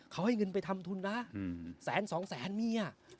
เขาให้เงินไปทำทุนนะ๑๐๐๐๐๐๒๐๐๐๐๐เมีย